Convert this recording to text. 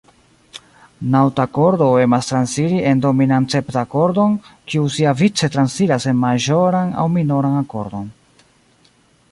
Naŭtakordo emas transiri en dominantseptakordon, kiu siavice transiras en maĵoran aŭ minoran akordon.